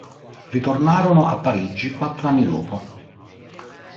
Ritornarono a Parigi quattro anni dopo.